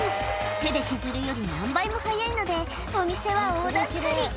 手で削るより何倍も早いので、お店は大助かり。